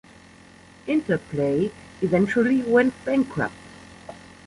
Interplay eventually went bankrupt.